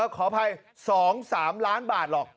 ขออภัย๒๓ล้านบาทหรอก